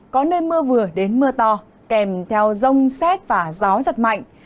có nơi mưa vừa đến mưa to kèm theo rông xét và gió giật mạnh